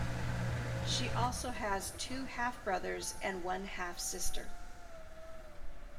She also has two half brothers and one half sister.